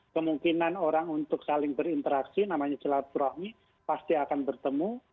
kemungkinan orang untuk saling berinteraksi namanya silaturahmi pasti akan bertemu